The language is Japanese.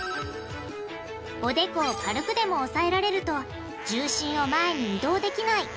おでこを軽くでも押さえられると重心を前に移動できない。